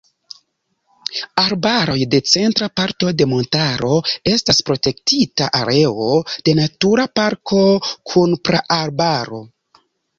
Arbaroj de centra parto de montaro estas protektita areo de Natura parko kun praarbaro.